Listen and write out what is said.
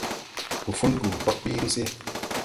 Gufungu hɔɓ ɓiiri se.